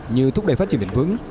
như thúc đẩy phát triển biển vững